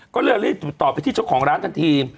ก็เริ่มรีบติดต่อไปที่ช่องของร้านกันที